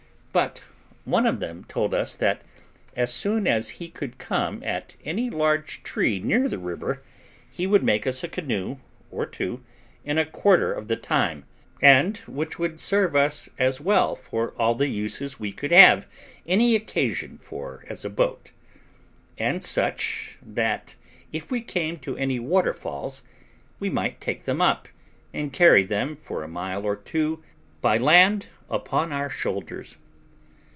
But one of them told us that as soon as he could come at any large tree near the river, he would make us a canoe or two in a quarter of the time, and which would serve us as well for all the uses we could have any occasion for as a boat; and such, that if we came to any waterfalls, we might take them up, and carry them for a mile or two by land upon our shoulders.